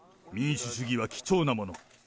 民主主義は貴重なもの。